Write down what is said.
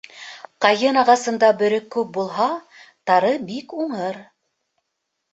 Ҡайын ағасында бөрө күп булһа, тары бик уңыр.